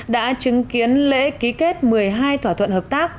đã chứng kiến lễ ký kết một mươi hai thỏa thuận hợp tác